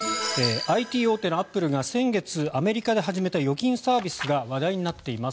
ＩＴ大手のアップルが先月アメリカで始めた預金サービスが話題になっています。